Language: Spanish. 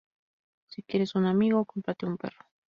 Si quieres un amigo, cómprate un perro